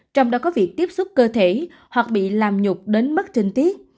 trong đó có việc tiếp xúc cơ thể hoặc bị làm nhục đến mất chinh tiết